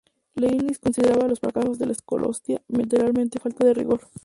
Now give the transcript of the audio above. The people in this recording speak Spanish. Leibniz consideraba los fracasos de la escolástica meramente falta de rigor.